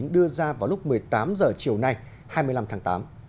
đưa ra vào lúc một mươi tám h chiều nay hai mươi năm tháng tám